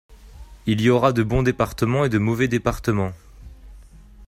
Il y aura de bons départements et de mauvais départements